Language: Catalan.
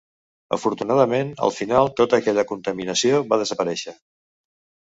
Afortunadament, al final tota aquella contaminació va desaparèixer.